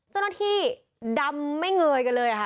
เจ้าหน้าที่ดำไม่เงยกันเลยค่ะ